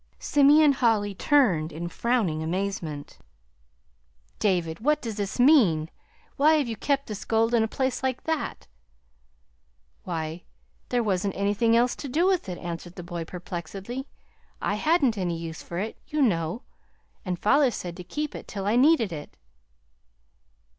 Simeon Holly turned in frowning amazement. "David, what does this mean? Why have you kept this gold in a place like that?" "Why, there wasn't anything else to do with it," answered the boy perplexedly. "I hadn't any use for it, you know, and father said to keep it till I needed it."